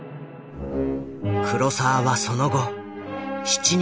黒澤はその後「七人の侍」